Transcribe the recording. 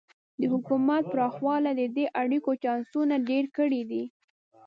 د حکومت پراخوالی د دې اړیکو چانسونه ډېر کړي دي.